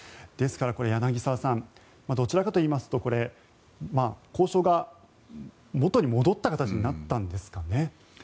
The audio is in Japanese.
ですから、柳澤さんどちらかといいますとこれ、交渉が元に戻った形になったんですかね。